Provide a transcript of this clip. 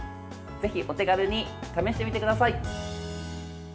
ぜひお手軽に試してみてください。